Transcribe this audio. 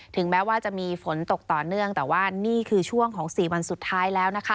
แม้ว่าจะมีฝนตกต่อเนื่องแต่ว่านี่คือช่วงของสี่วันสุดท้ายแล้วนะคะ